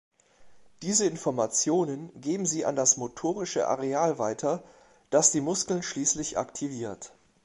Diese Informationen geben sie an das motorische Areal weiter, das die Muskeln schließlich aktiviert.